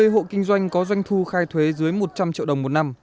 hai mươi hộ kinh doanh có doanh thu khai thuế dưới một trăm linh triệu đồng một năm